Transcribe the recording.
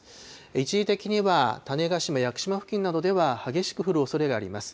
一時的には種子島、屋久島付近などでは、激しく降るおそれがあります。